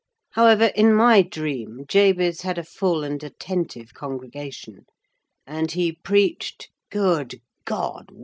However, in my dream, Jabez had a full and attentive congregation; and he preached—good God!